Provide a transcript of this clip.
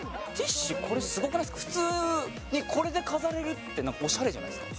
普通にこれで飾れるっておしゃれじゃないですか。